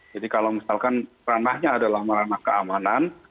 jadi kalau misalkan ranahnya adalah ranah keamanan